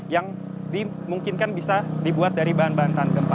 yang dimungkinkan bisa dibuat dari bahan bahan tanpa gempa